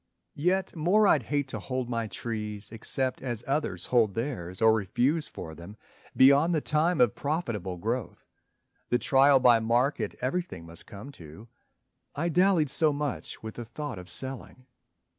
Yet more I'd hate to hold my trees except As others hold theirs or refuse for them, Beyond the time of profitable growth, The trial by market everything must come to. I dallied so much with the thought of selling.